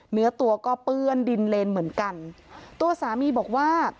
เนื้อตัวก็เปื้อนดินเลนเหมือนกันตัวสามีบอกว่า